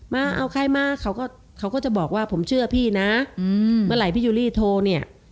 มาเอาใครมาเขาก็เขาก็จะบอกว่าผมเชื่อพี่นะเมื่อไหร่พี่ยูรี่โทรเนี่ย